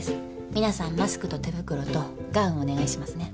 皆さんマスクと手袋とガウンお願いしますね。